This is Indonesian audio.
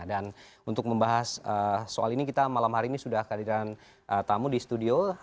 dan untuk membahas soal ini kita malam hari ini sudah kehadiran tamu di studio